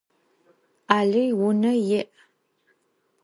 Alıy vune yi'.